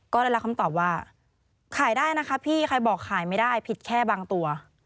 ก็ได้รับคำตอบว่าขายได้นะคะพี่ใครบอกขายไม่ได้ผิดแค่บางตัว